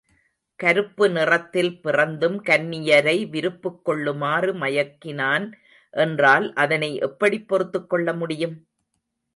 கருப்பு நிறத்தில் பிறந்தும் கன்னியரை விருப்புக்கொள்ளுமாறு மயக்கினான் என்றால் அதனை எப்படிப் பொறுத்துக் கொள்ள முடியும்?